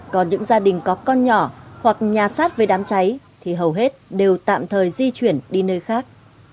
còn những gia đình có con nhỏ hoặc nhà sát với đám cháy thì hầu hết đều tạm thời di chuyển đi nơi khác